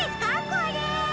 これ。